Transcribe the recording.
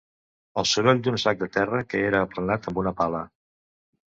El soroll d'un sac de terra que era aplanat amb una pala